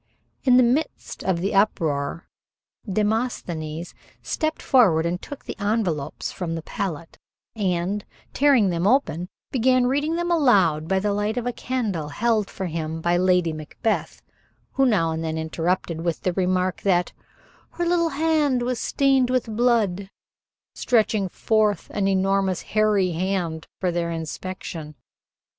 In the midst of the uproar Demosthenes stepped forward and took the envelopes from the palette, and, tearing them open, began reading them aloud by the light of a candle held for him by Lady Macbeth, who now and then interrupted with the remark that "her little hand was stained with blood," stretching forth an enormous, hairy hand for their inspection.